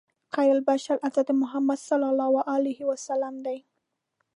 خیرالبشر حضرت محمد صلی الله علیه وسلم دی.